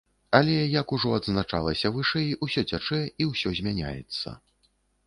Але, як ужо адзначалася вышэй, усё цячэ, і ўсё змяняецца.